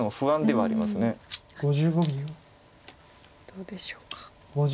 どうでしょうか。